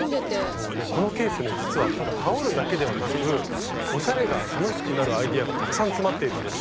このケープね実は羽織るだけではなくおしゃれが楽しくなるアイデアがたくさん詰まっているんです。